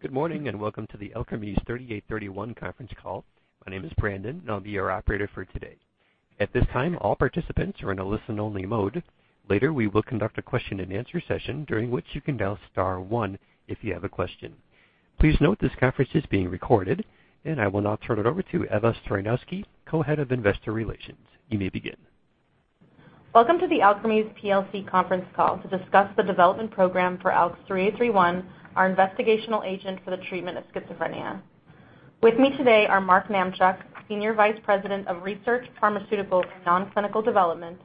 Good morning, welcome to the Alkermes ALKS 3831 conference call. My name is Brandon, and I'll be your operator for today. At this time, all participants are in a listen-only mode. Later, we will conduct a question-and-answer session, during which you can dial star one if you have a question. Please note this conference is being recorded. I will now turn it over to Sandy Coombs, co-head of Investor Relations. You may begin. Welcome to the Alkermes plc conference call to discuss the development program for ALKS 3831, our investigational agent for the treatment of schizophrenia. With me today are Mark Namchuk, Senior Vice President of Research, Pharmaceutical and Non-clinical Development;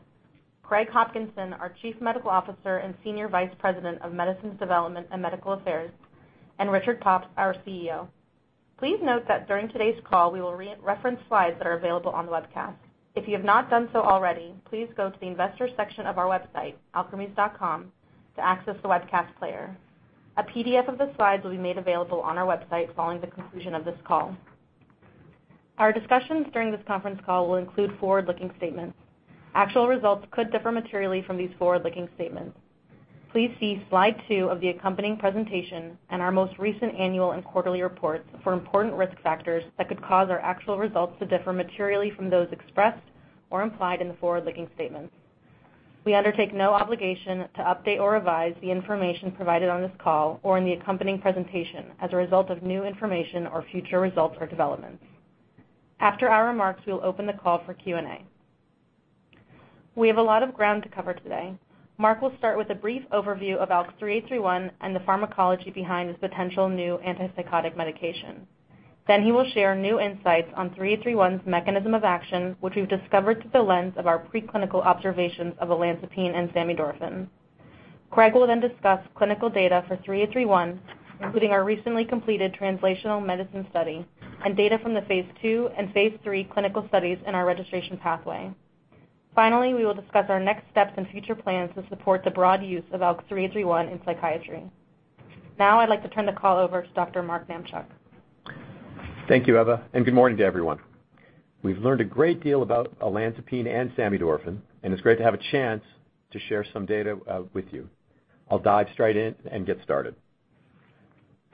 Craig Hopkinson, our Chief Medical Officer and Senior Vice President of Medicines Development and Medical Affairs; and Richard Pops, our CEO. Please note that during today's call, we will reference slides that are available on the webcast. If you have not done so already, please go to the investors section of our website, alkermes.com, to access the webcast player. A PDF of the slides will be made available on our website following the conclusion of this call. Our discussions during this conference call will include forward-looking statements. Actual results could differ materially from these forward-looking statements. Please see slide two of the accompanying presentation and our most recent annual and quarterly reports for important risk factors that could cause our actual results to differ materially from those expressed or implied in the forward-looking statements. We undertake no obligation to update or revise the information provided on this call or in the accompanying presentation as a result of new information or future results or developments. After our remarks, we will open the call for Q&A. We have a lot of ground to cover today. Mark will start with a brief overview of ALKS 3831 and the pharmacology behind this potential new antipsychotic medication. He will share new insights on ALKS 3831's mechanism of action, which we've discovered through the lens of our preclinical observations of olanzapine and samidorphan. Craig will discuss clinical data for ALKS 3831, including our recently completed translational medicine study and data from the phase II and phase III clinical studies in our registration pathway. We will discuss our next steps and future plans to support the broad use of ALKS 3831 in psychiatry. I'd like to turn the call over to Dr. Mark Namchuk. Thank you, Eva, good morning to everyone. We've learned a great deal about olanzapine and samidorphan, it's great to have a chance to share some data with you. I'll dive straight in and get started.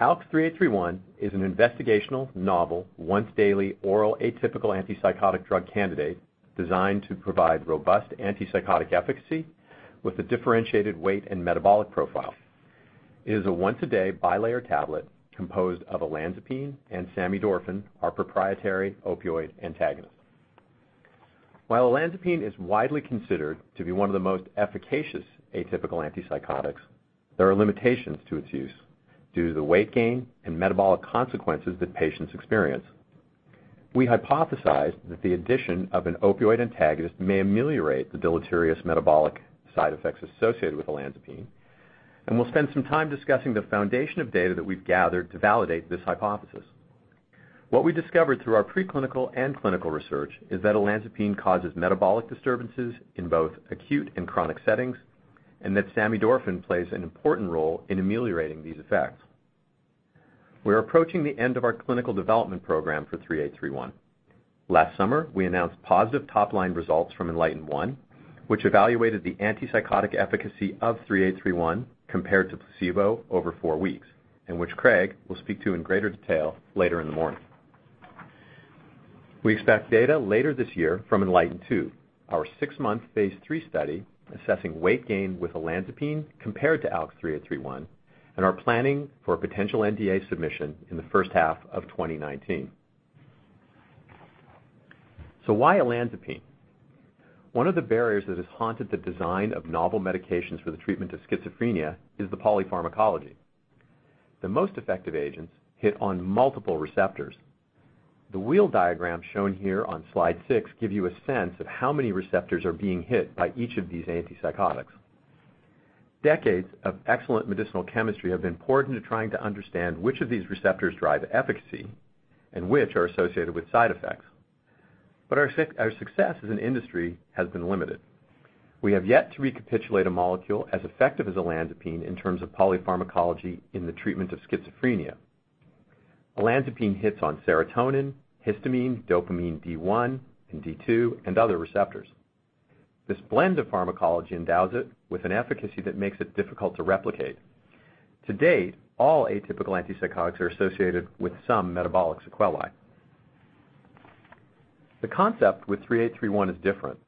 ALKS 3831 is an investigational novel, once-daily oral atypical antipsychotic drug candidate designed to provide robust antipsychotic efficacy with a differentiated weight and metabolic profile. It is a once-a-day bilayer tablet composed of olanzapine and samidorphan, our proprietary opioid antagonist. While olanzapine is widely considered to be one of the most efficacious atypical antipsychotics, there are limitations to its use due to the weight gain and metabolic consequences that patients experience. We hypothesized that the addition of an opioid antagonist may ameliorate the deleterious metabolic side effects associated with olanzapine, we'll spend some time discussing the foundation of data that we've gathered to validate this hypothesis. What we discovered through our preclinical and clinical research is that olanzapine causes metabolic disturbances in both acute and chronic settings, samidorphan plays an important role in ameliorating these effects. We are approaching the end of our clinical development program for 3831. Last summer, we announced positive top-line results from ENLIGHTEN-1, which evaluated the antipsychotic efficacy of 3831 compared to placebo over four weeks, which Craig will speak to in greater detail later in the morning. We expect data later this year from ENLIGHTEN-2, our six-month phase III study assessing weight gain with olanzapine compared to ALKS 3831, are planning for a potential NDA submission in the first half of 2019. Why olanzapine? One of the barriers that has haunted the design of novel medications for the treatment of schizophrenia is the polypharmacology. The most effective agents hit on multiple receptors. The wheel diagram shown here on slide six gives you a sense of how many receptors are being hit by each of these antipsychotics. Decades of excellent medicinal chemistry have been poured into trying to understand which of these receptors drive efficacy which are associated with side effects. Our success as an industry has been limited. We have yet to recapitulate a molecule as effective as olanzapine in terms of polypharmacology in the treatment of schizophrenia. Olanzapine hits on serotonin, histamine, dopamine D1 and D2, other receptors. This blend of pharmacology endows it with an efficacy that makes it difficult to replicate. To date, all atypical antipsychotics are associated with some metabolic sequelae. The concept with 3831 is different.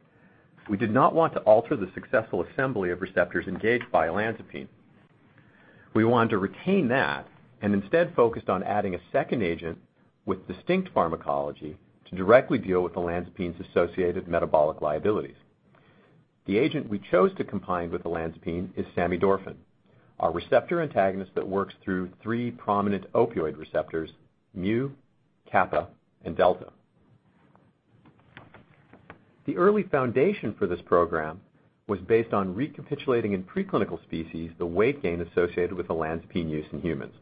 We did not want to alter the successful assembly of receptors engaged by olanzapine. We wanted to retain that instead focused on adding a second agent with distinct pharmacology to directly deal with olanzapine's associated metabolic liabilities. The agent we chose to combine with olanzapine is samidorphan, a receptor antagonist that works through three prominent opioid receptors, mu, kappa, and delta. The early foundation for this program was based on recapitulating in preclinical species the weight gain associated with olanzapine use in humans.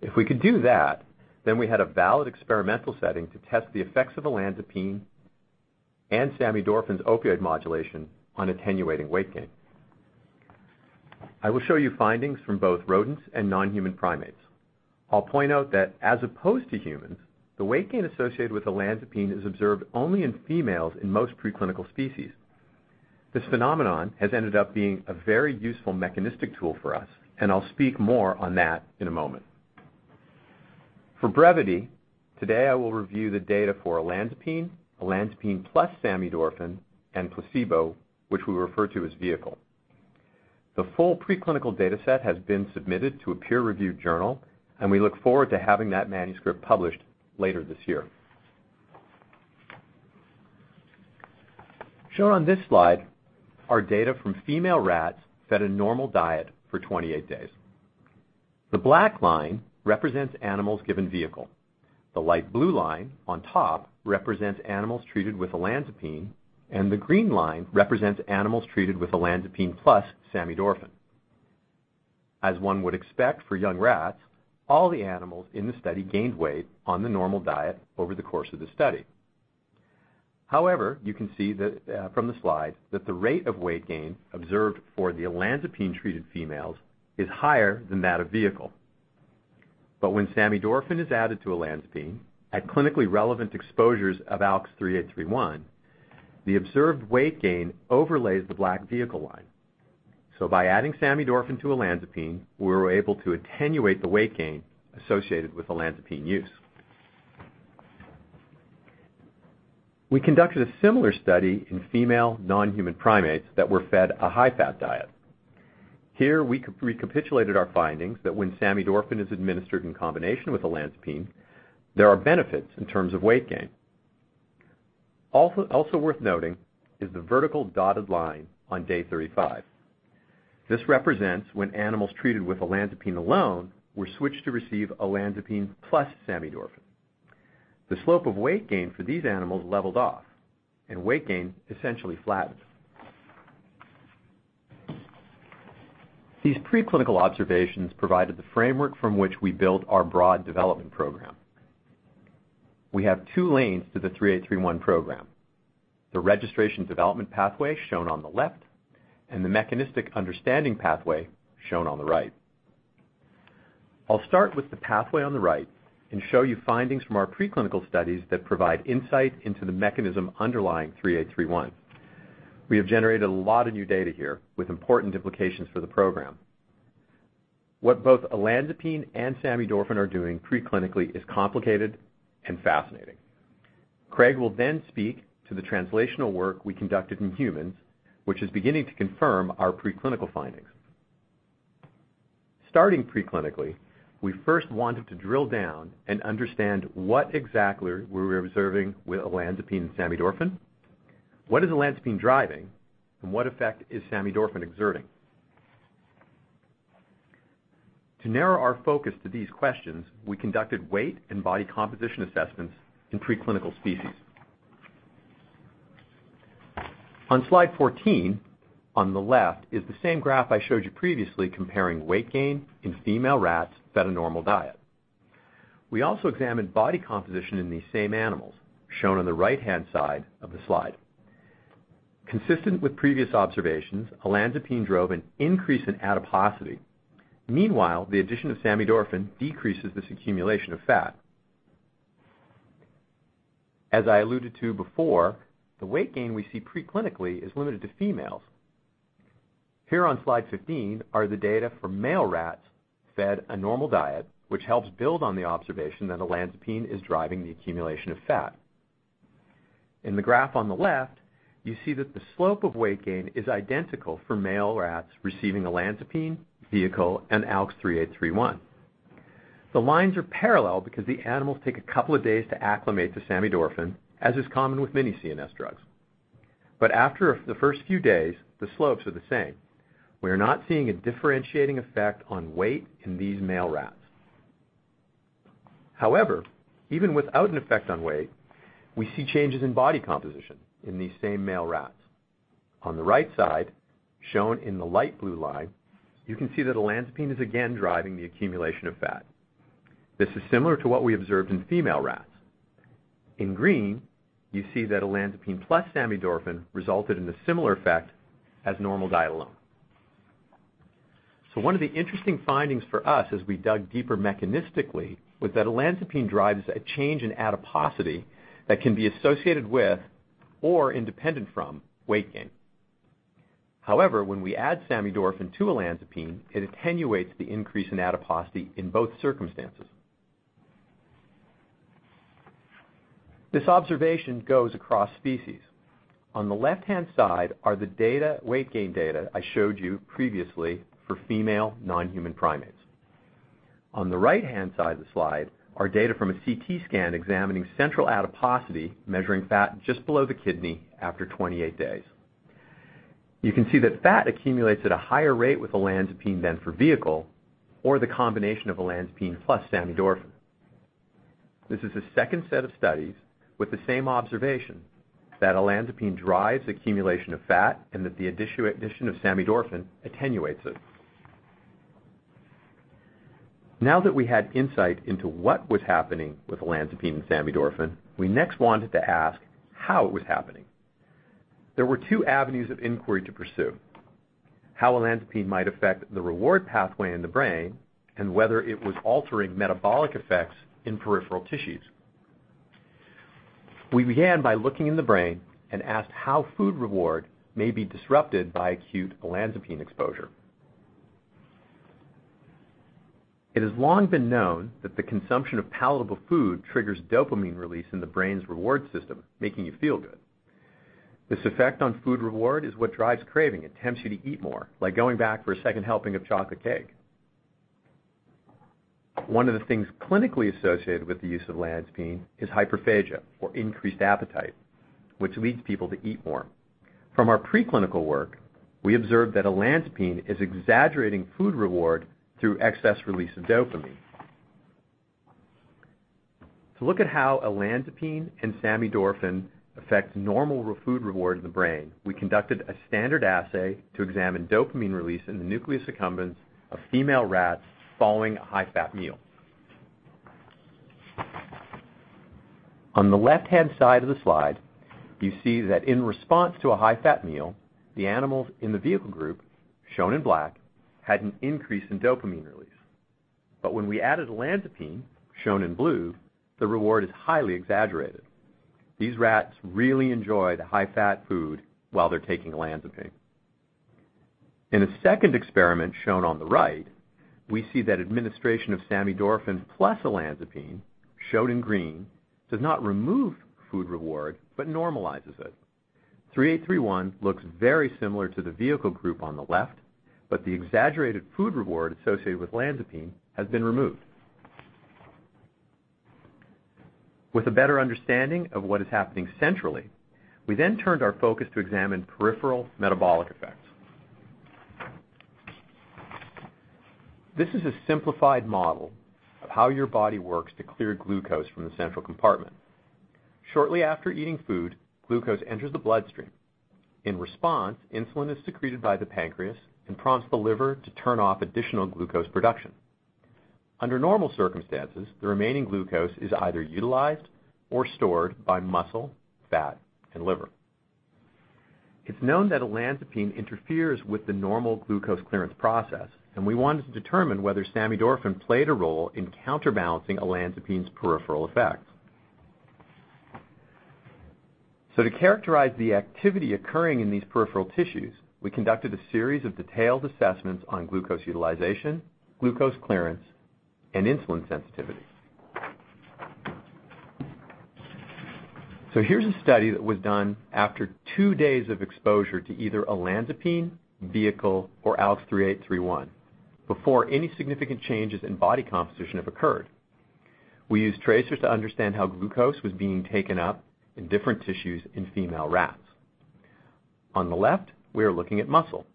If we could do that, we had a valid experimental setting to test the effects of olanzapine and samidorphan's opioid modulation on attenuating weight gain. I will show you findings from both rodents and non-human primates. I'll point out that as opposed to humans, the weight gain associated with olanzapine is observed only in females in most preclinical species. This phenomenon has ended up being a very useful mechanistic tool for us, and I'll speak more on that in a moment. For brevity, today I will review the data for olanzapine plus samidorphan, and placebo, which we refer to as vehicle. The full preclinical data set has been submitted to a peer review journal, and we look forward to having that manuscript published later this year. Shown on this slide are data from female rats fed a normal diet for 28 days. The black line represents animals given vehicle. The light blue line on top represents animals treated with olanzapine, and the green line represents animals treated with olanzapine plus samidorphan. As one would expect for young rats, all the animals in the study gained weight on the normal diet over the course of the study. However, you can see from the slide that the rate of weight gain observed for the olanzapine-treated females is higher than that of vehicle. When samidorphan is added to olanzapine at clinically relevant exposures of ALKS 3831, the observed weight gain overlays the black vehicle line. By adding samidorphan to olanzapine, we were able to attenuate the weight gain associated with olanzapine use. We conducted a similar study in female non-human primates that were fed a high-fat diet. Here we recapitulated our findings that when samidorphan is administered in combination with olanzapine, there are benefits in terms of weight gain. Also worth noting is the vertical dotted line on day 35. This represents when animals treated with olanzapine alone were switched to receive olanzapine plus samidorphan. The slope of weight gain for these animals leveled off, and weight gain essentially flattened. These pre-clinical observations provided the framework from which we built our broad development program. We have two lanes to the 3831 program, the registration development pathway shown on the left, and the mechanistic understanding pathway shown on the right. I'll start with the pathway on the right and show you findings from our pre-clinical studies that provide insight into the mechanism underlying 3831. We have generated a lot of new data here with important implications for the program. What both olanzapine and samidorphan are doing pre-clinically is complicated and fascinating. Craig will then speak to the translational work we conducted in humans, which is beginning to confirm our pre-clinical findings. Starting pre-clinically, we first wanted to drill down and understand what exactly we were observing with olanzapine and samidorphan. What is olanzapine driving? What effect is samidorphan exerting? To narrow our focus to these questions, we conducted weight and body composition assessments in pre-clinical species. On slide 14, on the left is the same graph I showed you previously comparing weight gain in female rats fed a normal diet. We also examined body composition in these same animals, shown on the right-hand side of the slide. Consistent with previous observations, olanzapine drove an increase in adiposity. Meanwhile, the addition of samidorphan decreases this accumulation of fat. As I alluded to before, the weight gain we see pre-clinically is limited to females. Here on slide 15 are the data for male rats fed a normal diet, which helps build on the observation that olanzapine is driving the accumulation of fat. In the graph on the left, you see that the slope of weight gain is identical for male rats receiving olanzapine, vehicle, and ALKS 3831. The lines are parallel because the animals take a couple of days to acclimate to samidorphan, as is common with many CNS drugs. After the first few days, the slopes are the same. We are not seeing a differentiating effect on weight in these male rats. However, even without an effect on weight, we see changes in body composition in these same male rats. On the right side, shown in the light blue line, you can see that olanzapine is again driving the accumulation of fat. This is similar to what we observed in female rats. In green, you see that olanzapine plus samidorphan resulted in a similar effect as normal diet alone. One of the interesting findings for us as we dug deeper mechanistically was that olanzapine drives a change in adiposity that can be associated with or independent from weight gain. However, when we add samidorphan to olanzapine, it attenuates the increase in adiposity in both circumstances. This observation goes across species. On the left-hand side are the weight gain data I showed you previously for female non-human primates. On the right-hand side of the slide are data from a CT scan examining central adiposity, measuring fat just below the kidney after 28 days. You can see that fat accumulates at a higher rate with olanzapine than for vehicle or the combination of olanzapine plus samidorphan. This is a second set of studies with the same observation that olanzapine drives accumulation of fat and that the addition of samidorphan attenuates it. Now that we had insight into what was happening with olanzapine and samidorphan, we next wanted to ask how it was happening. There were two avenues of inquiry to pursue, how olanzapine might affect the reward pathway in the brain, and whether it was altering metabolic effects in peripheral tissues. We began by looking in the brain and asked how food reward may be disrupted by acute olanzapine exposure. It has long been known that the consumption of palatable food triggers dopamine release in the brain's reward system, making you feel good. This effect on food reward is what drives craving and tempts you to eat more, like going back for a second helping of chocolate cake. One of the things clinically associated with the use of olanzapine is hyperphagia, or increased appetite, which leads people to eat more. From our preclinical work, we observed that olanzapine is exaggerating food reward through excess release of dopamine. To look at how olanzapine and samidorphan affect normal food reward in the brain, we conducted a standard assay to examine dopamine release in the nucleus accumbens of female rats following a high-fat meal. On the left-hand side of the slide, you see that in response to a high-fat meal, the animals in the vehicle group, shown in black, had an increase in dopamine release. When we added olanzapine, shown in blue, the reward is highly exaggerated. These rats really enjoy the high-fat food while they're taking olanzapine. In a second experiment shown on the right, we see that administration of samidorphan plus olanzapine, shown in green, does not remove food reward, but normalizes it. 3831 looks very similar to the vehicle group on the left, but the exaggerated food reward associated with olanzapine has been removed. With a better understanding of what is happening centrally, we then turned our focus to examine peripheral metabolic effects. This is a simplified model of how your body works to clear glucose from the central compartment. Shortly after eating food, glucose enters the bloodstream. In response, insulin is secreted by the pancreas and prompts the liver to turn off additional glucose production. Under normal circumstances, the remaining glucose is either utilized or stored by muscle, fat, and liver. It's known that olanzapine interferes with the normal glucose clearance process, and we wanted to determine whether samidorphan played a role in counterbalancing olanzapine's peripheral effects. To characterize the activity occurring in these peripheral tissues, we conducted a series of detailed assessments on glucose utilization, glucose clearance, and insulin sensitivity. Here's a study that was done after two days of exposure to either olanzapine, vehicle, or ALKS 3831, before any significant changes in body composition have occurred. We used tracers to understand how glucose was being taken up in different tissues in female rats. On the left, we are looking at muscle,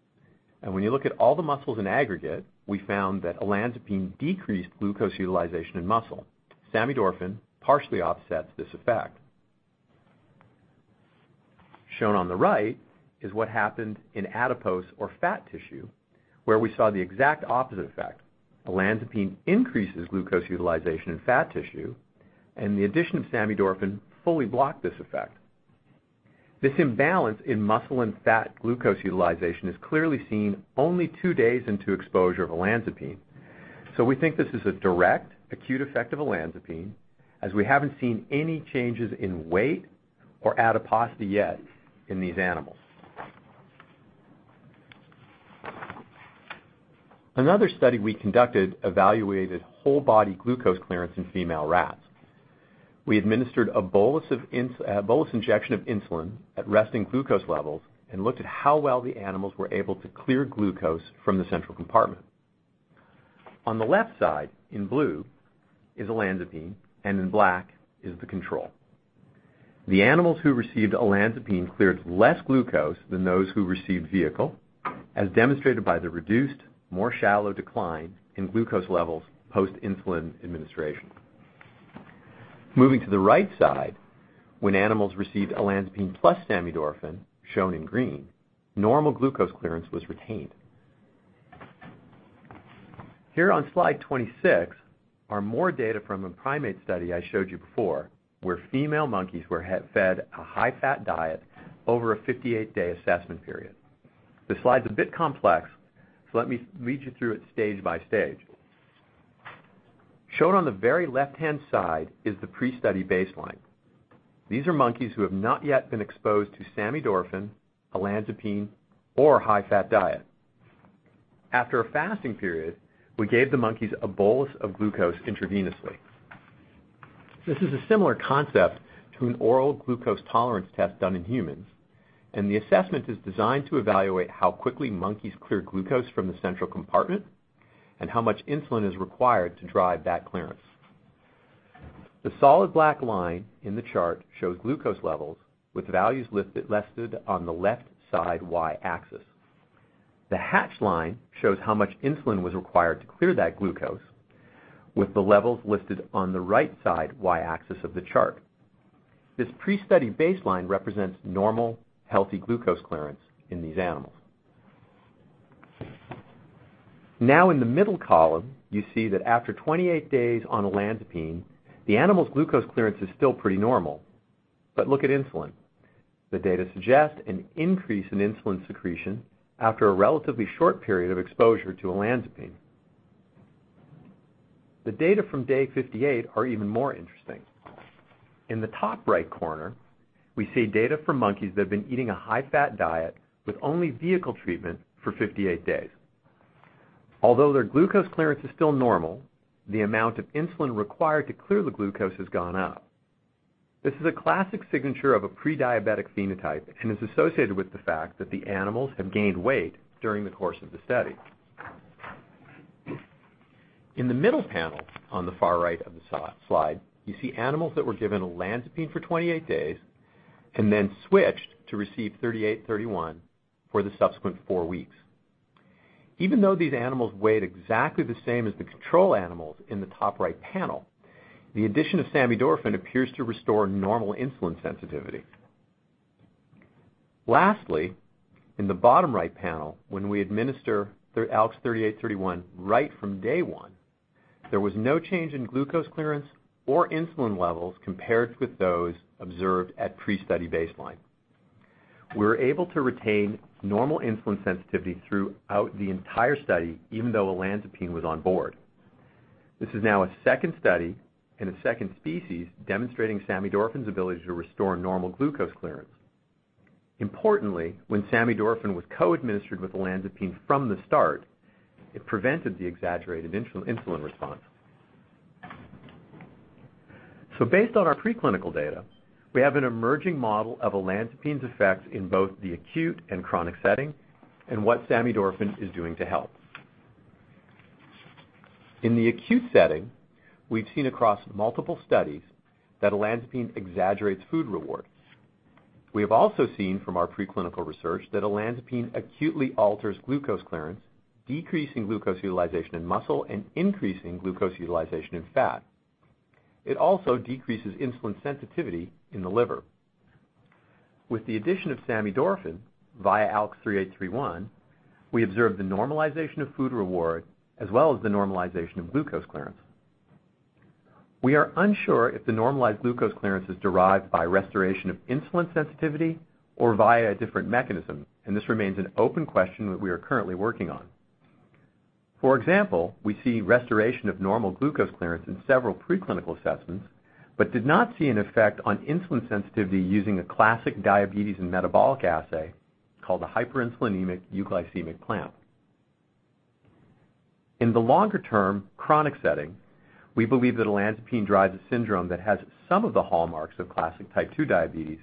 and when you look at all the muscles in aggregate, we found that olanzapine decreased glucose utilization in muscle. Samidorphan partially offsets this effect. Shown on the right is what happened in adipose or fat tissue, where we saw the exact opposite effect. Olanzapine increases glucose utilization in fat tissue, and the addition of samidorphan fully blocked this effect. This imbalance in muscle and fat glucose utilization is clearly seen only two days into exposure of olanzapine. We think this is a direct, acute effect of olanzapine, as we haven't seen any changes in weight or adiposity yet in these animals. Another study we conducted evaluated whole body glucose clearance in female rats. We administered a bolus injection of insulin at resting glucose levels and looked at how well the animals were able to clear glucose from the central compartment. On the left side, in blue, is olanzapine, and in black is the control. The animals who received olanzapine cleared less glucose than those who received vehicle, as demonstrated by the reduced, more shallow decline in glucose levels post-insulin administration. Moving to the right side, when animals received olanzapine plus samidorphan, shown in green, normal glucose clearance was retained. Here on slide 26 are more data from a primate study I showed you before, where female monkeys were fed a high-fat diet over a 58-day assessment period. The slide's a bit complex, let me lead you through it stage by stage. Shown on the very left-hand side is the pre-study baseline. These are monkeys who have not yet been exposed to samidorphan, olanzapine, or a high-fat diet. After a fasting period, we gave the monkeys a bolus of glucose intravenously. This is a similar concept to an Oral Glucose Tolerance Test done in humans, and the assessment is designed to evaluate how quickly monkeys clear glucose from the central compartment and how much insulin is required to drive that clearance. The solid black line in the chart shows glucose levels, with values listed on the left side Y-axis. The hatched line shows how much insulin was required to clear that glucose, with the levels listed on the right side Y-axis of the chart. This pre-study baseline represents normal, healthy glucose clearance in these animals. In the middle column, you see that after 28 days on olanzapine, the animal's glucose clearance is still pretty normal. Look at insulin. The data suggest an increase in insulin secretion after a relatively short period of exposure to olanzapine. The data from day 58 are even more interesting. In the top right corner, we see data from monkeys that have been eating a high-fat diet with only vehicle treatment for 58 days. Although their glucose clearance is still normal, the amount of insulin required to clear the glucose has gone up. This is a classic signature of a pre-diabetic phenotype and is associated with the fact that the animals have gained weight during the course of the study. In the middle panel on the far right of the slide, you see animals that were given olanzapine for 28 days and then switched to receive 3831 for the subsequent four weeks. Even though these animals weighed exactly the same as the control animals in the top right panel, the addition of samidorphan appears to restore normal insulin sensitivity. Lastly, in the bottom right panel, when we administer ALK 3831 right from day one, there was no change in glucose clearance or insulin levels compared with those observed at pre-study baseline. We were able to retain normal insulin sensitivity throughout the entire study, even though olanzapine was on board. This is now a second study and a second species demonstrating samidorphan's ability to restore normal glucose clearance. Importantly, when samidorphan was co-administered with olanzapine from the start, it prevented the exaggerated insulin response. Based on our preclinical data, we have an emerging model of olanzapine's effects in both the acute and chronic setting and what samidorphan is doing to help. In the acute setting, we've seen across multiple studies that olanzapine exaggerates food rewards. We have also seen from our preclinical research that olanzapine acutely alters glucose clearance, decreasing glucose utilization in muscle and increasing glucose utilization in fat. It also decreases insulin sensitivity in the liver. With the addition of samidorphan via ALK 3831, we observed the normalization of food reward as well as the normalization of glucose clearance. We are unsure if the normalized glucose clearance is derived by restoration of insulin sensitivity or via a different mechanism, and this remains an open question that we are currently working on. For example, we see restoration of normal glucose clearance in several preclinical assessments, but did not see an effect on insulin sensitivity using a classic diabetes and metabolic assay called a hyperinsulinemic-euglycemic clamp. In the longer-term, chronic setting, we believe that olanzapine drives a syndrome that has some of the hallmarks of classic type 2 diabetes,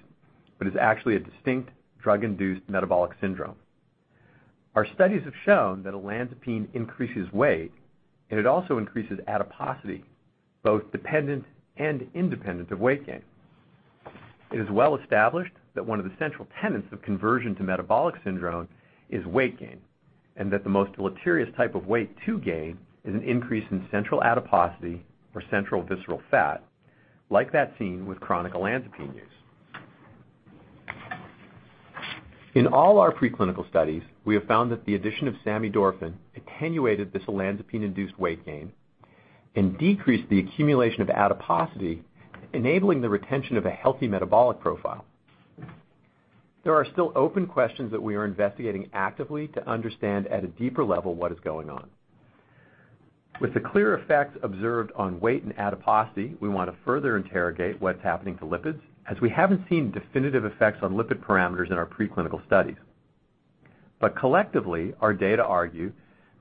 but is actually a distinct drug-induced metabolic syndrome. Our studies have shown that olanzapine increases weight, and it also increases adiposity, both dependent and independent of weight gain. It is well established that one of the central tenets of conversion to metabolic syndrome is weight gain, and that the most deleterious type of weight to gain is an increase in central adiposity or central visceral fat, like that seen with chronic olanzapine use. In all our preclinical studies, we have found that the addition of samidorphan attenuated this olanzapine-induced weight gain and decreased the accumulation of adiposity, enabling the retention of a healthy metabolic profile. There are still open questions that we are investigating actively to understand at a deeper level what is going on. With the clear effects observed on weight and adiposity, we want to further interrogate what's happening to lipids, as we haven't seen definitive effects on lipid parameters in our preclinical studies. Collectively, our data argue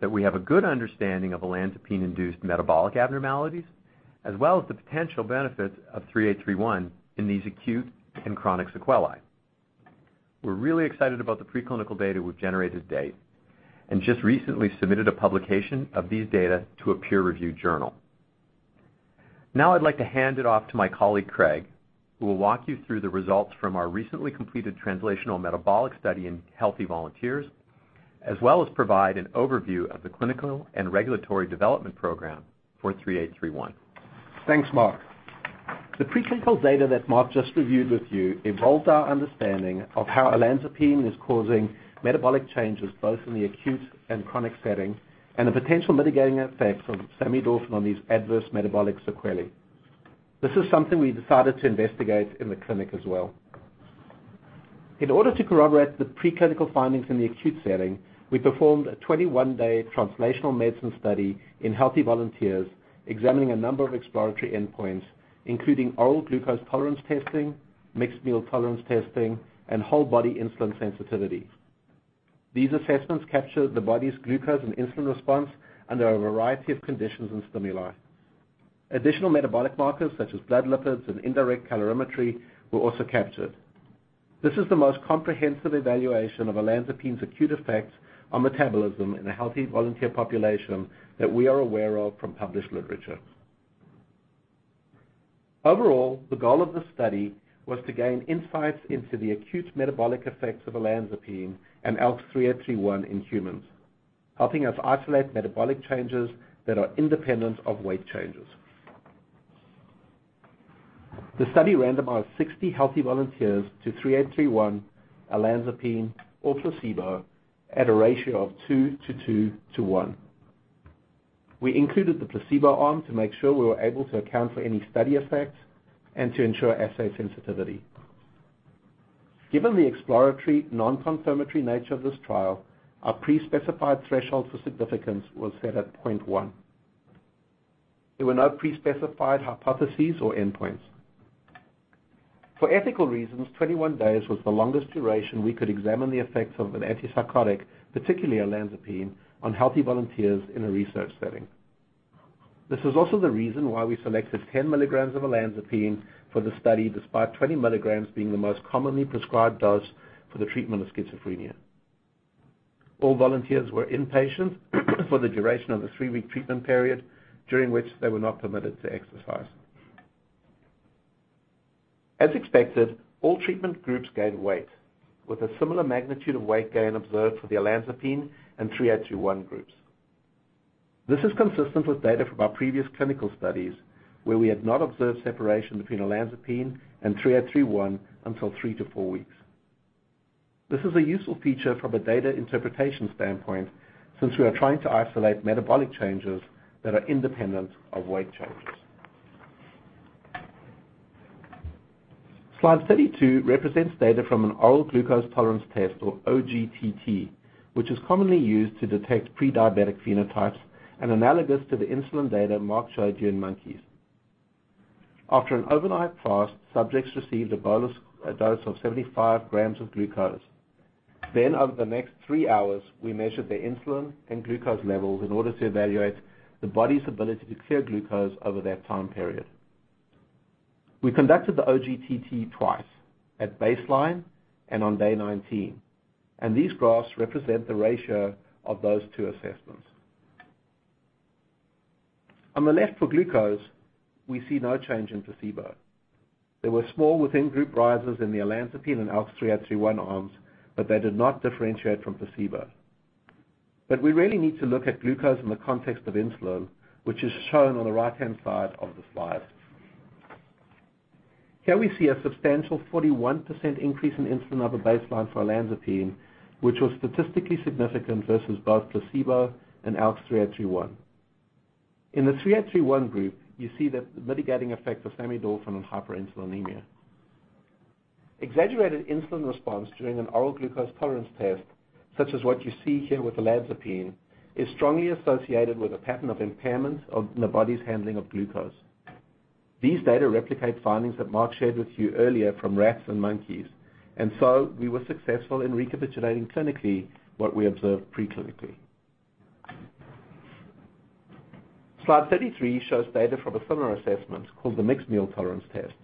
that we have a good understanding of olanzapine-induced metabolic abnormalities, as well as the potential benefits of 3831 in these acute and chronic sequelae. We're really excited about the preclinical data we've generated to date and just recently submitted a publication of these data to a peer-reviewed journal. Now I'd like to hand it off to my colleague, Craig, who will walk you through the results from our recently completed translational metabolic study in healthy volunteers, as well as provide an overview of the clinical and regulatory development program for 3831. Thanks, Mark. The preclinical data that Mark just reviewed with you evolves our understanding of how olanzapine is causing metabolic changes both in the acute and chronic setting, and the potential mitigating effects of samidorphan on these adverse metabolic sequelae. This is something we decided to investigate in the clinic as well. In order to corroborate the preclinical findings in the acute setting, we performed a 21-day translational medicine study in healthy volunteers examining a number of exploratory endpoints, including oral glucose tolerance testing, mixed meal tolerance testing, and whole body insulin sensitivity. These assessments capture the body's glucose and insulin response under a variety of conditions and stimuli. Additional metabolic markers such as blood lipids and indirect calorimetry were also captured. This is the most comprehensive evaluation of olanzapine's acute effects on metabolism in a healthy volunteer population that we are aware of from published literature. Overall, the goal of the study was to gain insights into the acute metabolic effects of olanzapine and ALKS 3831 in humans, helping us isolate metabolic changes that are independent of weight changes. The study randomized 60 healthy volunteers to 3831, olanzapine, or placebo at a ratio of two to two to one. We included the placebo arm to make sure we were able to account for any study effects and to ensure assay sensitivity. Given the exploratory, non-confirmatory nature of this trial, our pre-specified threshold for significance was set at 0.1. There were no pre-specified hypotheses or endpoints. For ethical reasons, 21 days was the longest duration we could examine the effects of an antipsychotic, particularly olanzapine, on healthy volunteers in a research setting. This is also the reason why we selected 10 milligrams of olanzapine for the study, despite 20 milligrams being the most commonly prescribed dose for the treatment of schizophrenia. All volunteers were inpatient for the duration of the three-week treatment period, during which they were not permitted to exercise. As expected, all treatment groups gained weight, with a similar magnitude of weight gain observed for the olanzapine and 3831 groups. This is consistent with data from our previous clinical studies, where we had not observed separation between olanzapine and 3831 until three to four weeks. This is a useful feature from a data interpretation standpoint since we are trying to isolate metabolic changes that are independent of weight changes. Slide 32 represents data from an oral glucose tolerance test, or OGTT, which is commonly used to detect pre-diabetic phenotypes and analogous to the insulin data Mark showed you in monkeys. After an overnight fast, subjects received a bolus dose of 75 grams of glucose. Over the next three hours, we measured their insulin and glucose levels in order to evaluate the body's ability to clear glucose over that time period. We conducted the OGTT twice, at baseline and on day 19, and these graphs represent the ratio of those two assessments. On the left for glucose, we see no change in placebo. There were small within-group rises in the olanzapine and ALKS 3831 arms, but they did not differentiate from placebo. We really need to look at glucose in the context of insulin, which is shown on the right-hand side of the slide. Here we see a substantial 41% increase in insulin above baseline for olanzapine, which was statistically significant versus both placebo and ALKS 3831. In the 3831 group, you see the mitigating effect of samidorphan on hyperinsulinemia. Exaggerated insulin response during an oral glucose tolerance test, such as what you see here with olanzapine, is strongly associated with a pattern of impairment of the body's handling of glucose. These data replicate findings that Mark shared with you earlier from rats and monkeys. We were successful in recapitulating clinically what we observed pre-clinically. Slide 33 shows data from a similar assessment called the mixed meal tolerance test.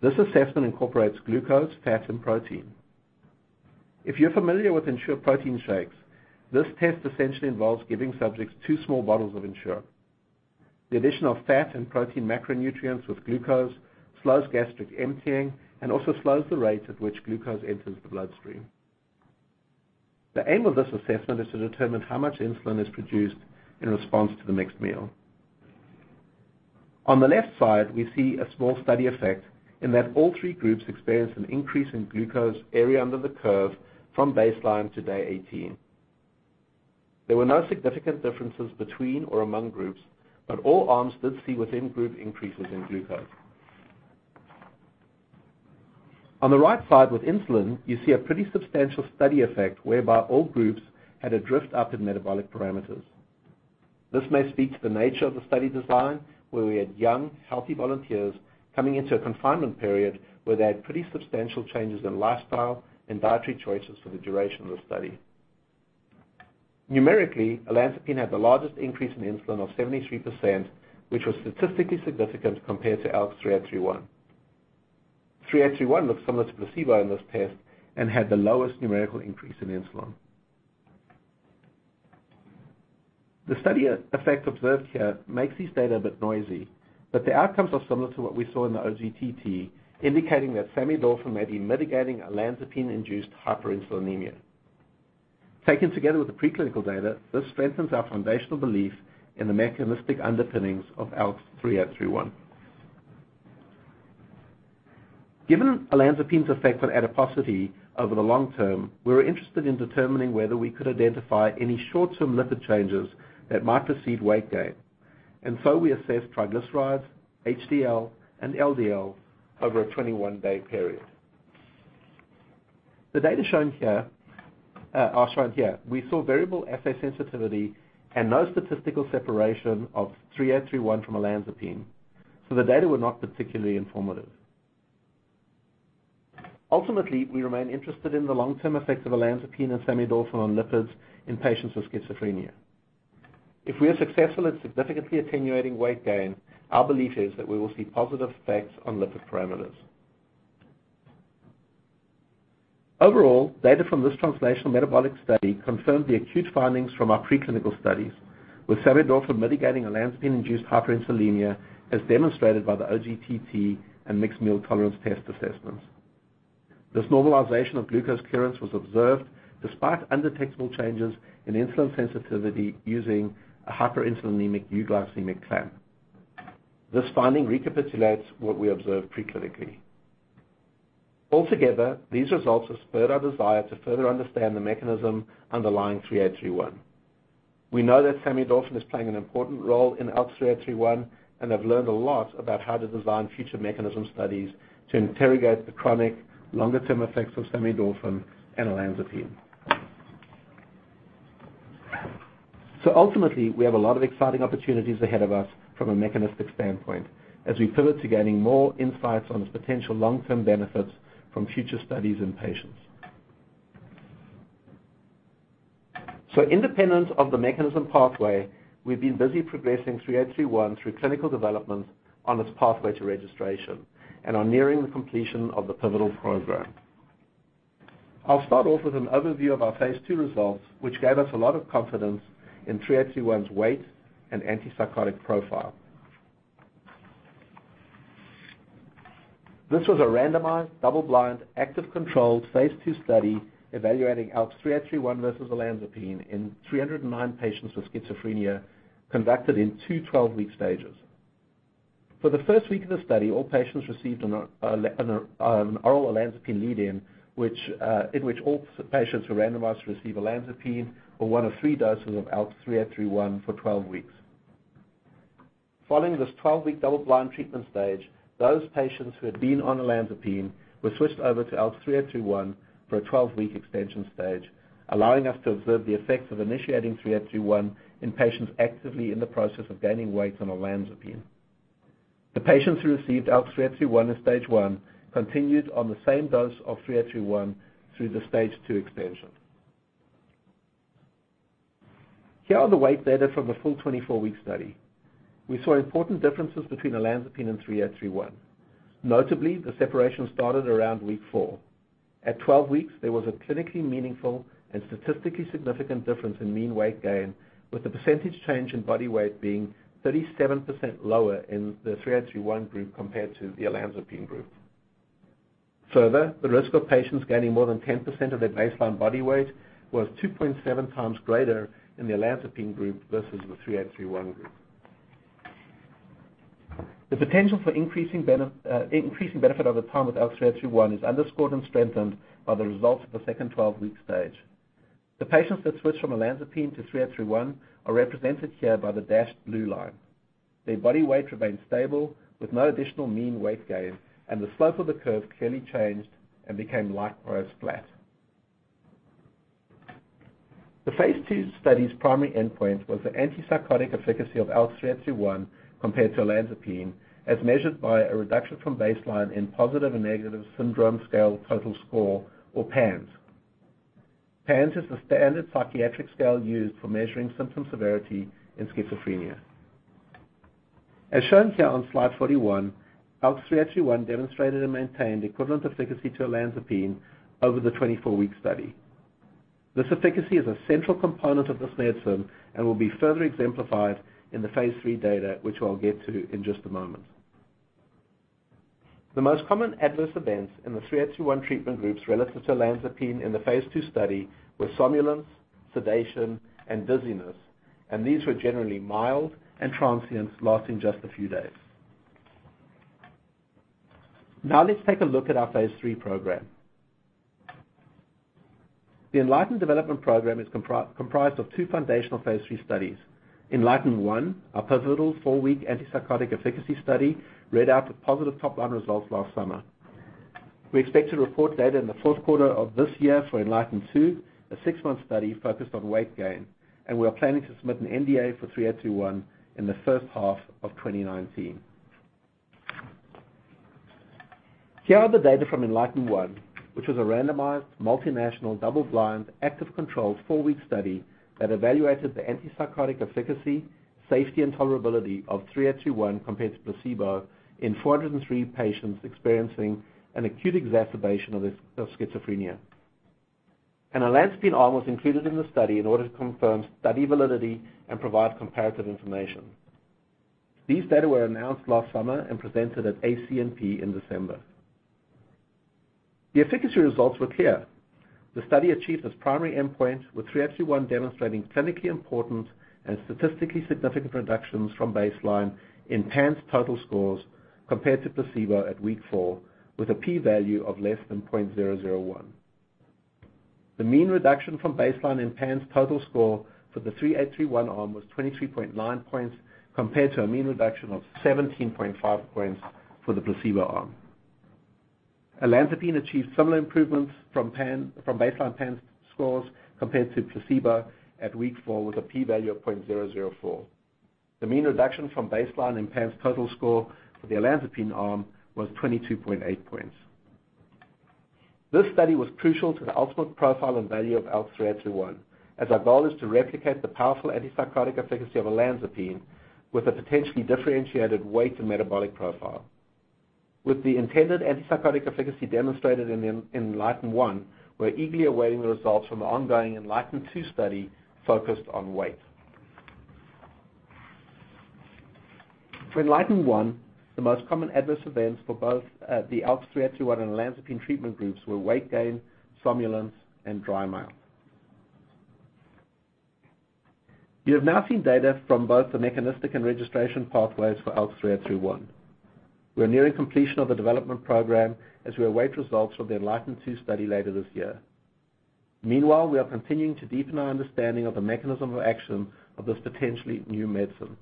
This assessment incorporates glucose, fats, and protein. If you're familiar with Ensure protein shakes, this test essentially involves giving subjects two small bottles of Ensure. The addition of fat and protein macronutrients with glucose slows gastric emptying and also slows the rate at which glucose enters the bloodstream. The aim of this assessment is to determine how much insulin is produced in response to the mixed meal. On the left side, we see a small study effect in that all three groups experienced an increase in glucose area under the curve from baseline to day 18. There were no significant differences between or among groups, but all arms did see within-group increases in glucose. On the right side with insulin, you see a pretty substantial study effect whereby all groups had a drift up in metabolic parameters. This may speak to the nature of the study design, where we had young, healthy volunteers coming into a confinement period where they had pretty substantial changes in lifestyle and dietary choices for the duration of the study. Numerically, olanzapine had the largest increase in insulin of 73%, which was statistically significant compared to ALKS 3831. 3831 looked similar to placebo in this test and had the lowest numerical increase in insulin. The study effect observed here makes these data a bit noisy, but the outcomes are similar to what we saw in the OGTT, indicating that samidorphan may be mitigating olanzapine-induced hyperinsulinemia. Taken together with the preclinical data, this strengthens our foundational belief in the mechanistic underpinnings of ALKS 3831. Given olanzapine's effect on adiposity over the long term, we were interested in determining whether we could identify any short-term lipid changes that might precede weight gain, and so we assessed triglycerides, HDL, and LDL over a 21-day period. The data are shown here. We saw variable assay sensitivity and no statistical separation of 3831 from olanzapine, so the data were not particularly informative. Ultimately, we remain interested in the long-term effect of olanzapine and samidorphan on lipids in patients with schizophrenia. If we are successful at significantly attenuating weight gain, our belief is that we will see positive effects on lipid parameters. Overall, data from this translational metabolic study confirmed the acute findings from our preclinical studies with samidorphan mitigating olanzapine-induced hyperinsulinemia, as demonstrated by the OGTT and mixed meal tolerance test assessments. This normalization of glucose clearance was observed despite undetectable changes in insulin sensitivity using a hyperinsulinemic-euglycemic clamp. This finding recapitulates what we observed pre-clinically. Altogether, these results have spurred our desire to further understand the mechanism underlying 3831. We know that samidorphan is playing an important role in ALKS 3831, and have learned a lot about how to design future mechanism studies to interrogate the chronic longer-term effects of samidorphan and olanzapine. Ultimately, we have a lot of exciting opportunities ahead of us from a mechanistic standpoint as we pivot to gaining more insights on the potential long-term benefits from future studies in patients. Independent of the mechanism pathway, we've been busy progressing 3831 through clinical development on its pathway to registration and are nearing the completion of the pivotal program. I'll start off with an overview of our phase II results, which gave us a lot of confidence in 3831's weight and antipsychotic profile. This was a randomized, double-blind, active controlled, phase II study evaluating ALKS 3831 versus olanzapine in 309 patients with schizophrenia, conducted in two 12-week stages. For the first week of the study, all patients received an oral olanzapine lead-in, in which all patients were randomized to receive olanzapine or one of three doses of ALKS 3831 for 12 weeks. Following this 12-week double-blind treatment stage, those patients who had been on olanzapine were switched over to ALKS 3831 for a 12-week extension stage, allowing us to observe the effects of initiating 3831 in patients actively in the process of gaining weight on olanzapine. The patients who received ALKS 3831 in stage 1 continued on the same dose of 3831 through the stage 2 extension. Here are the weight data from the full 24-week study. We saw important differences between olanzapine and 3831. Notably, the separation started around week four. At 12 weeks, there was a clinically meaningful and statistically significant difference in mean weight gain, with the percentage change in body weight being 37% lower in the 3831 group compared to the olanzapine group. Further, the risk of patients gaining more than 10% of their baseline body weight was 2.7 times greater in the olanzapine group versus the 3831 group. The potential for increasing benefit over time with ALKS 3831 is underscored and strengthened by the results of the second 12-week stage. The patients that switched from olanzapine to 3831 are represented here by the dashed blue line. Their body weight remained stable with no additional mean weight gain, and the slope of the curve clearly changed and became likewise flat. The phase II study's primary endpoint was the antipsychotic efficacy of ALKS 3831 compared to olanzapine, as measured by a reduction from baseline in Positive and Negative Syndrome Scale total score or PANSS. PANSS is the standard psychiatric scale used for measuring symptom severity in schizophrenia. As shown here on slide 41, ALKS 3831 demonstrated and maintained equivalent efficacy to olanzapine over the 24-week study. This efficacy is a central component of this medicine and will be further exemplified in the phase III data, which I'll get to in just a moment. The most common adverse events in the 3831 treatment groups relative to olanzapine in the phase II study were somnolence, sedation, and dizziness, and these were generally mild and transient, lasting just a few days. Now let's take a look at our phase III program. The ENLIGHTEN development program is comprised of two foundational phase III studies. ENLIGHTEN-1, our pivotal four-week antipsychotic efficacy study, read out the positive top line results last summer. We expect to report data in the fourth quarter of this year for ENLIGHTEN-2, a six-month study focused on weight gain, and we are planning to submit an NDA for 3831 in the first half of 2019. Here are the data from ENLIGHTEN-1, which was a randomized, multinational, double-blind, active control four-week study that evaluated the antipsychotic efficacy, safety, and tolerability of 3831 compared to placebo in 403 patients experiencing an acute exacerbation of schizophrenia. An olanzapine arm was included in the study in order to confirm study validity and provide comparative information. These data were announced last summer and presented at ACNP in December. The efficacy results were clear. The study achieved its primary endpoint, with 3831 demonstrating clinically important and statistically significant reductions from baseline in PANSS total scores compared to placebo at week four with a P value of less than 0.001. The mean reduction from baseline in PANSS total score for the 3831 arm was 23.9 points, compared to a mean reduction of 17.5 points for the placebo arm. Olanzapine achieved similar improvements from baseline PANSS scores compared to placebo at week four with a P value of 0.004. The mean reduction from baseline in PANSS total score for the olanzapine arm was 22.8 points. This study was crucial to the ultimate profile and value of ALKS 3831, as our goal is to replicate the powerful antipsychotic efficacy of olanzapine with a potentially differentiated weight to metabolic profile. With the intended antipsychotic efficacy demonstrated in ENLIGHTEN-1, we are eagerly awaiting the results from the ongoing ENLIGHTEN-2 study focused on weight. For ENLIGHTEN-1, the most common adverse events for both the ALKS 3831 and olanzapine treatment groups were weight gain, somnolence, and dry mouth. You have now seen data from both the mechanistic and registration pathways for ALKS 3831. We are nearing completion of the development program as we await results from the ENLIGHTEN-2 study later this year. Meanwhile, we are continuing to deepen our understanding of the mechanism of action of this potentially new medicine.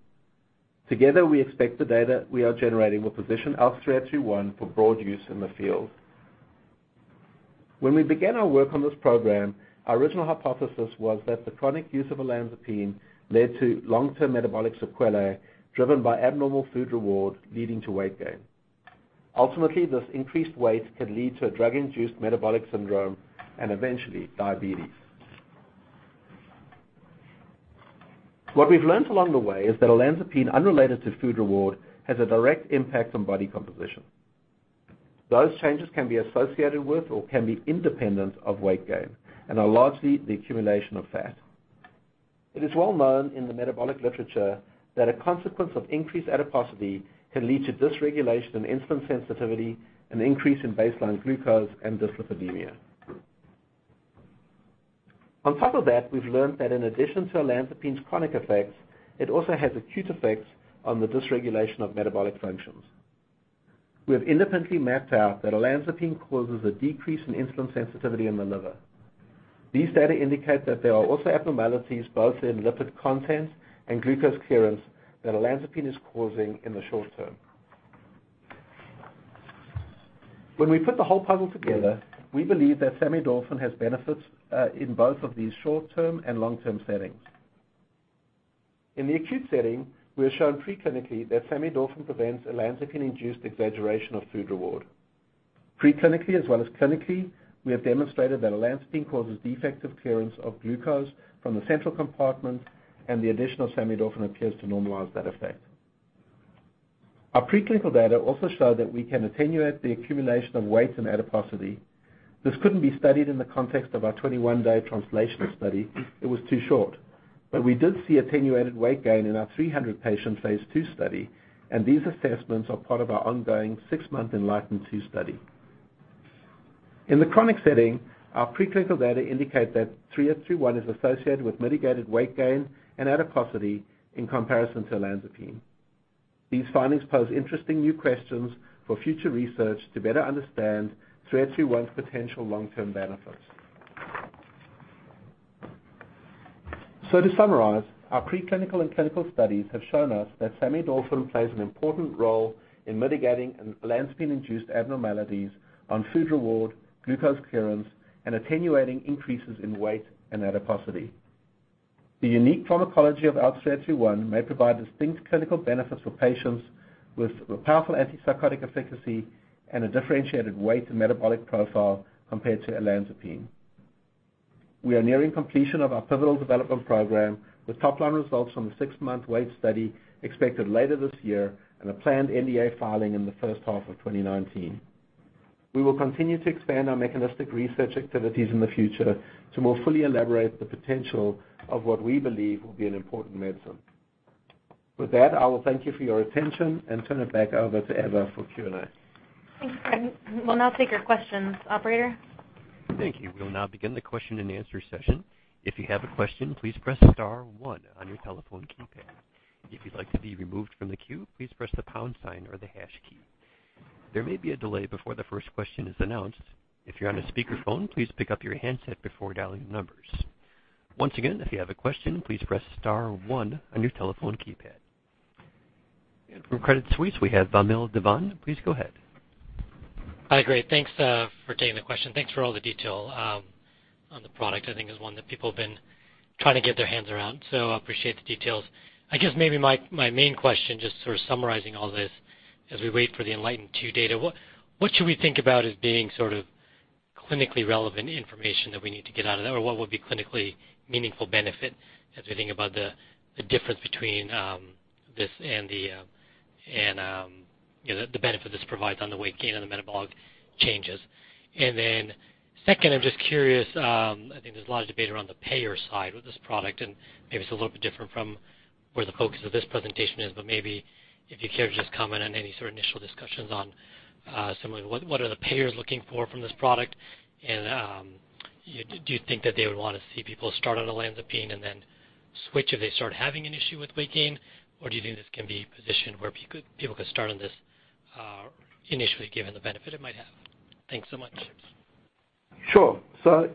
Together, we expect the data we are generating will position ALKS 3831 for broad use in the field. When we began our work on this program, our original hypothesis was that the chronic use of olanzapine led to long-term metabolic sequelae driven by abnormal food reward, leading to weight gain. Ultimately, this increased weight can lead to a drug-induced metabolic syndrome and eventually diabetes. What we've learned along the way is that olanzapine, unrelated to food reward, has a direct impact on body composition. Those changes can be associated with or can be independent of weight gain and are largely the accumulation of fat. It is well known in the metabolic literature that a consequence of increased adiposity can lead to dysregulation in insulin sensitivity, an increase in baseline glucose, and dyslipidemia. On top of that, we've learned that in addition to olanzapine's chronic effects, it also has acute effects on the dysregulation of metabolic functions. We have independently mapped out that olanzapine causes a decrease in insulin sensitivity in the liver. These data indicate that there are also abnormalities both in lipid content and glucose clearance that olanzapine is causing in the short term. When we put the whole puzzle together, we believe that samidorphan has benefits in both of these short-term and long-term settings. In the acute setting, we have shown preclinically that samidorphan prevents olanzapine-induced exaggeration of food reward. Preclinically, as well as clinically, we have demonstrated that olanzapine causes defective clearance of glucose from the central compartment, and the additional samidorphan appears to normalize that effect. Our preclinical data also show that we can attenuate the accumulation of weight and adiposity. This couldn't be studied in the context of our 21-day translational study. It was too short. We did see attenuated weight gain in our 300-patient phase II study, and these assessments are part of our ongoing six-month ENLIGHTEN-2 study. In the chronic setting, our preclinical data indicate that 3831 is associated with mitigated weight gain and adiposity in comparison to olanzapine. These findings pose interesting new questions for future research to better understand 3831's potential long-term benefits. To summarize, our preclinical and clinical studies have shown us that samidorphan plays an important role in mitigating olanzapine-induced abnormalities on food reward, glucose clearance, and attenuating increases in weight and adiposity. The unique pharmacology of ALKS 3831 may provide distinct clinical benefits for patients with powerful antipsychotic efficacy and a differentiated weight and metabolic profile compared to olanzapine. We are nearing completion of our pivotal development program, with top-line results from the six-month weight study expected later this year and a planned NDA filing in the first half of 2019. We will continue to expand our mechanistic research activities in the future to more fully elaborate the potential of what we believe will be an important medicine. With that, I will thank you for your attention and turn it back over to Eva for Q&A. Thanks, Craig. We'll now take your questions. Operator? Thank you. We will now begin the question-and-answer session. If you have a question, please press *1 on your telephone keypad. If you'd like to be removed from the queue, please press the # sign or the hash key. There may be a delay before the first question is announced. If you're on a speakerphone, please pick up your handset before dialing numbers. Once again, if you have a question, please press *1 on your telephone keypad. From Credit Suisse, we have Vamil Divan. Please go ahead. Hi, great. Thanks for taking the question. Thanks for all the detail on the product. I think it's one that people have been trying to get their hands around, so I appreciate the details. I guess maybe my main question, just sort of summarizing all this as we wait for the ENLIGHTEN-2 data, what should we think about as being sort of clinically relevant information that we need to get out of there? Or what would be clinically meaningful benefit as we think about the difference between this and the benefit this provides on the weight gain and the metabolic changes? Then second, I'm just curious, I think there's a lot of debate around the payer side with this product, and maybe it's a little bit different from where the focus of this presentation is. Maybe if you care to just comment on any sort of initial discussions on some of what are the payers looking for from this product, and do you think that they would want to see people start on olanzapine and then switch if they start having an issue with weight gain? Do you think this can be positioned where people could start on this initially given the benefit it might have? Thanks so much. Sure. I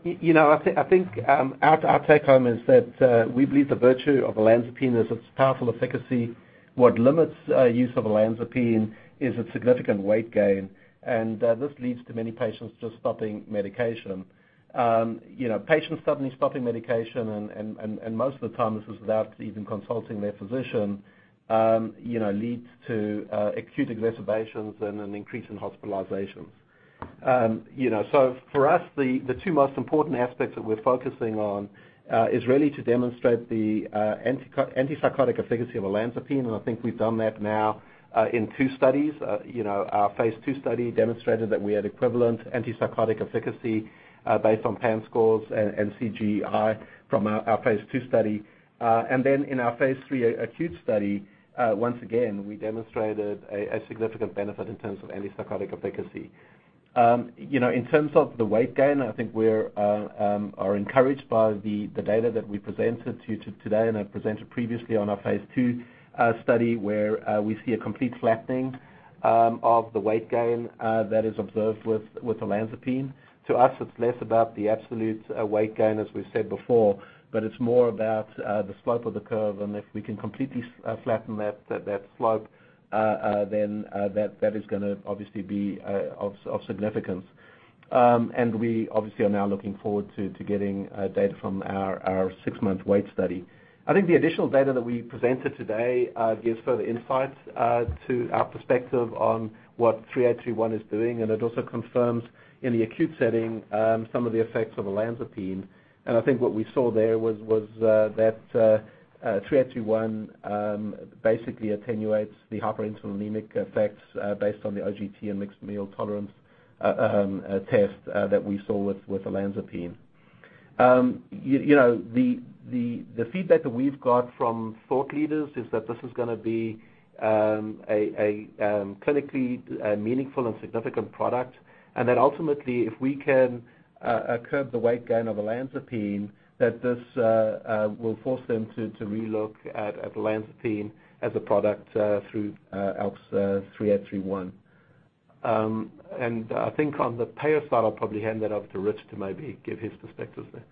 think our take-home is that we believe the virtue of olanzapine is its powerful efficacy. What limits use of olanzapine is its significant weight gain, and this leads to many patients just stopping medication. Patients suddenly stopping medication, and most of the time, this is without even consulting their physician, leads to acute exacerbations and an increase in hospitalizations. For us, the two most important aspects that we're focusing on is really to demonstrate the antipsychotic efficacy of olanzapine, and I think we've done that now in two studies. Our phase II study demonstrated that we had equivalent antipsychotic efficacy based on PANSS scores and CGI from our phase II study. In our phase III acute study, once again, we demonstrated a significant benefit in terms of antipsychotic efficacy. In terms of the weight gain, I think we are encouraged by the data that we presented to you today, and I presented previously on our phase II study, where we see a complete flattening of the weight gain that is observed with olanzapine. To us, it's less about the absolute weight gain, as we've said before, but it's more about the slope of the curve. If we can completely flatten that slope, that is going to obviously be of significance. We obviously are now looking forward to getting data from our six-month weight study. I think the additional data that we presented today gives further insights to our perspective on what 3831 is doing, and it also confirms in the acute setting some of the effects of olanzapine. I think what we saw there was that 3831 basically attenuates the hyperinsulinemic effects based on the OGTT and mixed meal tolerance test that we saw with olanzapine. The feedback that we've got from thought leaders is that this is going to be a clinically meaningful and significant product, and ultimately, if we can curb the weight gain of olanzapine, that this will force them to re-look at olanzapine as a product through ALKS 3831. I think on the payer side, I'll probably hand that off to Rich to maybe give his perspectives there.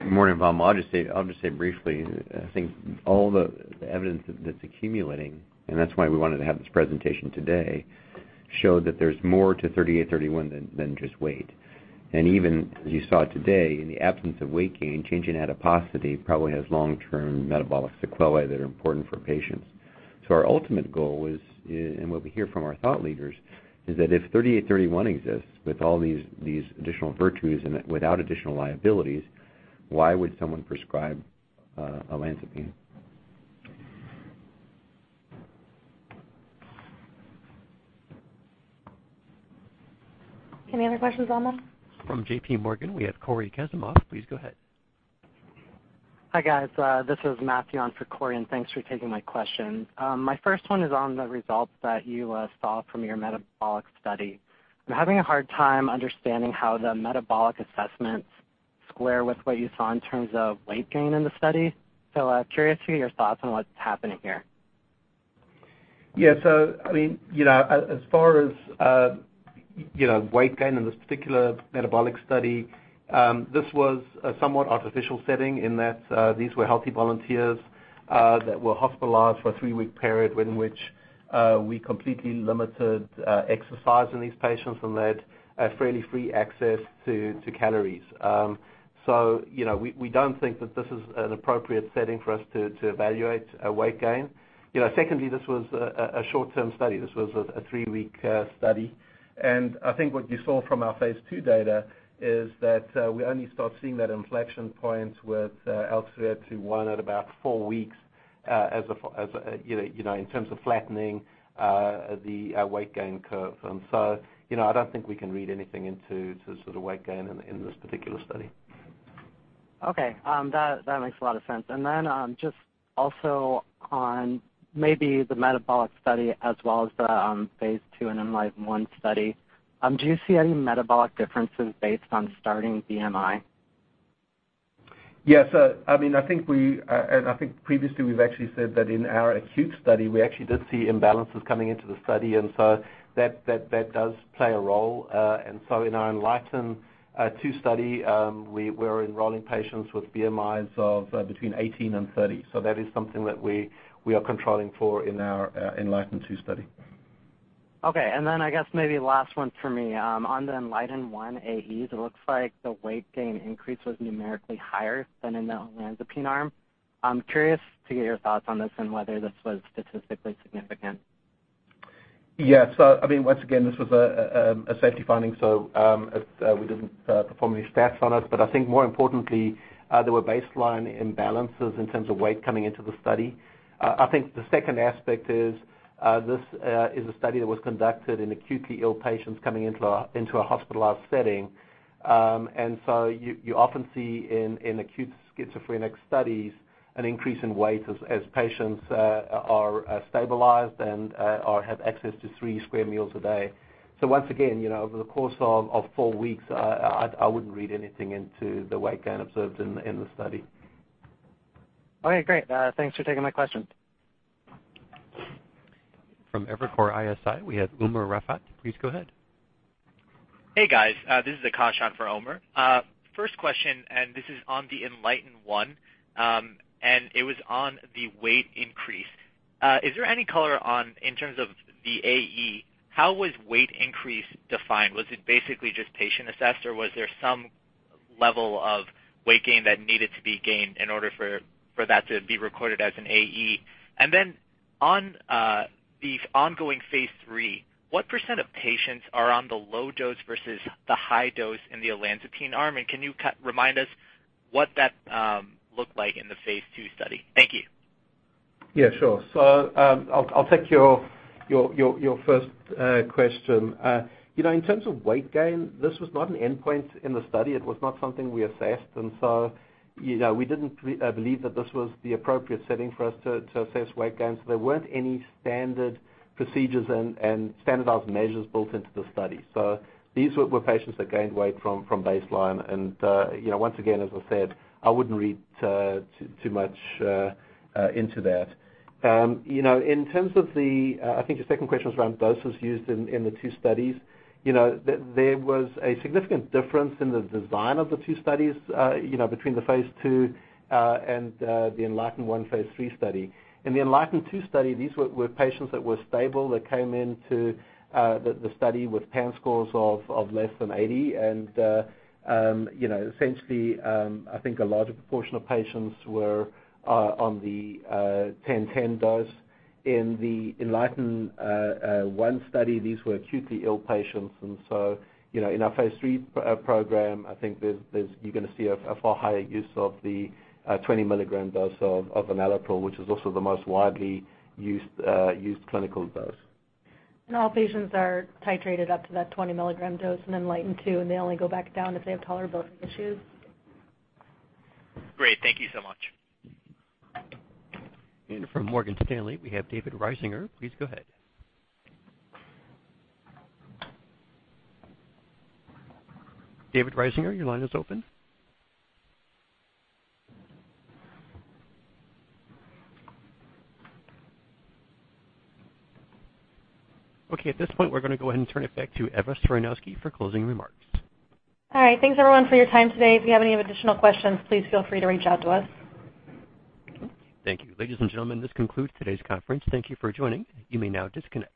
Good morning, Vamil. I'll just say briefly, I think all the evidence that's accumulating, and that's why we wanted to have this presentation today, show that there's more to 3831 than just weight. Even as you saw today, in the absence of weight gain, change in adiposity probably has long-term metabolic sequelae that are important for patients. Our ultimate goal is, and what we hear from our thought leaders, is that if 3831 exists with all these additional virtues and without additional liabilities, why would someone prescribe olanzapine? Any other questions, Vamil? From JP Morgan, we have Cory Kasimov. Please go ahead. Hi, guys. This is Matthew on for Cory, and thanks for taking my question. My first one is on the results that you saw from your metabolic study. I am having a hard time understanding how the metabolic assessments square with what you saw in terms of weight gain in the study. Curious to hear your thoughts on what is happening here. Yeah. As far as weight gain in this particular metabolic study, this was a somewhat artificial setting in that these were healthy volunteers that were hospitalized for a three-week period in which we completely limited exercise in these patients and allowed fairly free access to calories. We do not think that this is an appropriate setting for us to evaluate weight gain. Secondly, this was a short-term study. This was a three-week study. I think what you saw from our phase II data is that we only start seeing that inflection point with ALKS 3831 at about four weeks in terms of flattening the weight gain curve. I do not think we can read anything into sort of weight gain in this particular study. Okay. That makes a lot of sense. Just also on maybe the metabolic study as well as the phase II and ENLIGHTEN-1 study, do you see any metabolic differences based on starting BMI? Yes. I think previously we've actually said that in our acute study, we actually did see imbalances coming into the study, that does play a role. In our ENLIGHTEN-2 study, we're enrolling patients with BMIs of between 18 and 30. That is something that we are controlling for in our ENLIGHTEN-2 study. Okay. I guess maybe last one for me. On the ENLIGHTEN-1 AEs, it looks like the weight gain increase was numerically higher than in the olanzapine arm. I'm curious to get your thoughts on this and whether this was statistically significant. Yeah. Once again, this was a safety finding, we didn't perform any stats on it. I think more importantly, there were baseline imbalances in terms of weight coming into the study. I think the second aspect is this is a study that was conducted in acutely ill patients coming into a hospitalized setting. You often see in acute schizophrenic studies an increase in weight as patients are stabilized and have access to three square meals a day. Once again, over the course of four weeks, I wouldn't read anything into the weight gain observed in the study. Okay, great. Thanks for taking my question. From Evercore ISI, we have Umer Raffat. Please go ahead. Hey, guys. This is Akash on for Umer. First question. This is on the ENLIGHTEN-1, and it was on the weight increase. Is there any color in terms of the AE, how was weight increase defined? Was it basically just patient assessed, or was there some level of weight gain that needed to be gained in order for that to be recorded as an AE? On the ongoing phase III, what percent of patients are on the low dose versus the high dose in the olanzapine arm? Can you remind us what that looked like in the phase II study? Thank you. Yeah, sure. I'll take your first question. In terms of weight gain, this was not an endpoint in the study. It was not something we assessed, and so we didn't believe that this was the appropriate setting for us to assess weight gain. There weren't any standard procedures and standardized measures built into the study. These were patients that gained weight from baseline. Once again, as I said, I wouldn't read too much into that. I think your second question was around doses used in the two studies. There was a significant difference in the design of the two studies between the phase II and the ENLIGHTEN-1 phase III study. In the ENLIGHTEN-2 study, these were patients that were stable, that came into the study with PANSS scores of less than 80, essentially, I think a larger proportion of patients were on the 10/10 dose. In the ENLIGHTEN-1 study, these were acutely ill patients. In our phase III program, I think you're going to see a far higher use of the 20 milligram dose of olanzapine, which is also the most widely used clinical dose. All patients are titrated up to that 20 milligram dose in ENLIGHTEN-2, they only go back down if they have tolerability issues. Great. Thank you so much. From Morgan Stanley, we have David Risinger. Please go ahead. David Risinger, your line is open. Okay. At this point, we're going to go ahead and turn it back to Eva Stroynowski for closing remarks. All right. Thanks, everyone, for your time today. If you have any additional questions, please feel free to reach out to us. Thank you. Ladies and gentlemen, this concludes today's conference. Thank you for joining. You may now disconnect.